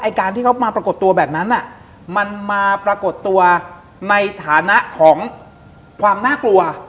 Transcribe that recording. การที่เขามาปรากฏตัวแบบนั้นมันมาปรากฏตัวในฐานะของความน่ากลัว